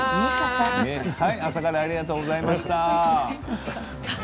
朝からありがとうございました。